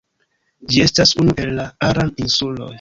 Ĝi estas unu el la Aran-insuloj.